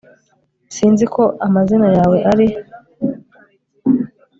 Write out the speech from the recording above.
sinzi uko amazina yawe ari